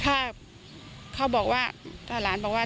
ถ้าเขาบอกว่าถ้าหลานบอกว่า